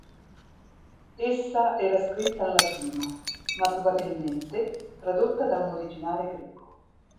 Essa era scritta in latino, ma probabilmente tradotta da un originale greco.